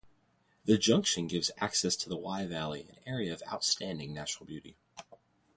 The junction gives access to the Wye Valley, an Area of Outstanding Natural Beauty.